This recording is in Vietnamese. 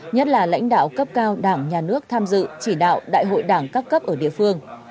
nhất là lãnh đạo cấp cao đảng nhà nước tham dự chỉ đạo đại hội đảng các cấp ở địa phương